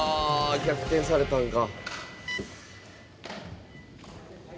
逆転されたんか。